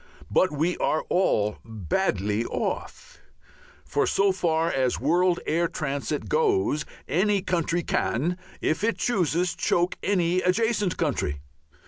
But we are all badly off. So far as world air transit goes any country can, if it chooses, choke any adjacent country.